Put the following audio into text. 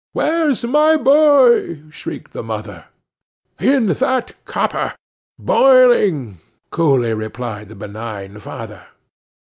'"Where's my boy?" shrieked the mother. '"In that copper, boiling," coolly replied the benign father.